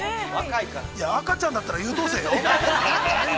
◆いや、赤ちゃんだったら、優等生よ。